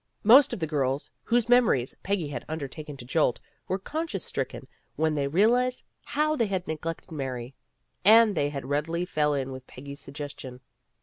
Most of the girls, whose memories Peggy had undertaken to jolt, were conscience stricken when they realized how they had neglected Mary. And they readily fell in with Peggy's suggestion.